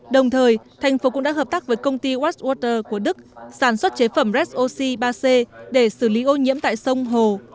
đồng thời thành phố cũng đã hợp tác với công ty westwater của đức sản xuất chế phẩm red oxy ba c để xử lý ô nhiễm tại sông hồ